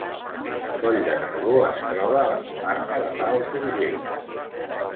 Coll de Nargó es troba a la comarca de l'Alt Urgell.